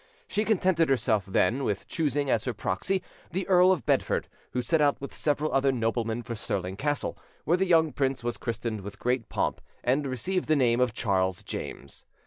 She contented herself, then, with choosing as her proxy the Earl of Bedford, who set out with several other noblemen for Stirling Castle, where the young prince was christened with great pomp, and received the name of Charles James.